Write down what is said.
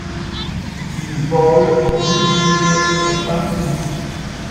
Il vole de mi-juillet et fin août.